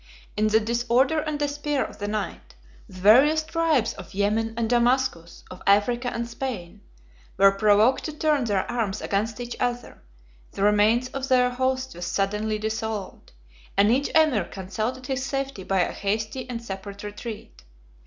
In the disorder and despair of the night, the various tribes of Yemen and Damascus, of Africa and Spain, were provoked to turn their arms against each other: the remains of their host were suddenly dissolved, and each emir consulted his safety by a hasty and separate retreat.